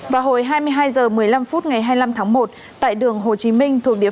vào hồi hai mươi hai h một mươi năm phút ngày hai mươi năm tháng một tại đường hồ chí minh thuộc địa